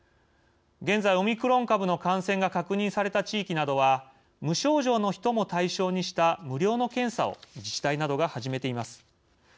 現在オミクロン株の感染が確認された地域などは無症状の人も対象にした無料の検査を自治体などが始めています。